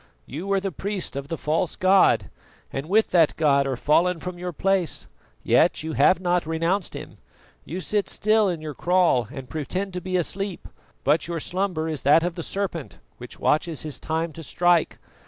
You were the priest of the false god, and with that god are fallen from your place, yet you have not renounced him. You sit still in your kraal and pretend to be asleep, but your slumber is that of the serpent which watches his time to strike.